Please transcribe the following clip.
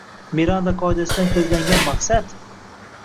Miranda qoidasidan ko‘zlangan maqsad